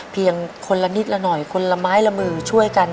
เพียงคนละนิดละหน่อยคนละไม้ละมือช่วยกัน